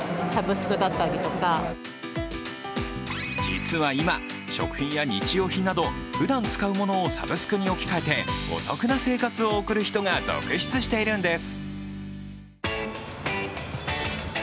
実は今、食品や日用品などふだん使うものをサブスクに置き換えてお得な生活を送る人が続出しているんです。